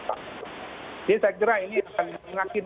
jadi saya kira ini akan